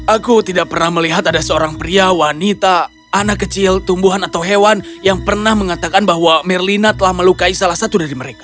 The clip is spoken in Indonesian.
aku tidak pernah melihat ada seorang pria wanita anak kecil tumbuhan atau hewan yang pernah mengatakan bahwa merlina telah melukai salah satu dari mereka